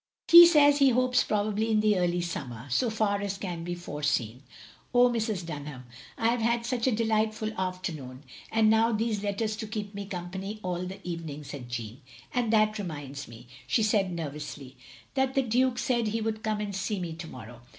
" He says he hopes probably in the early simi mer, so far as can be foreseen. Oh, Mrs. Ehmham, I have had such a delightful afternoon, and now these letters to keep me company all the evening, " said Jeanne. "And — ^that reminds me," she added nervously, "that the Dtike said he would come and see me to morrow.